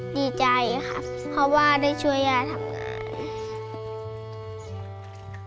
ดีใจครับเพราะว่าได้ช่วยย่าทำงาน